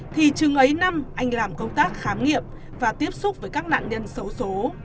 thì chừng ấy năm anh làm công tác khám nghiệm và tiếp xúc với các nạn nhân xấu xố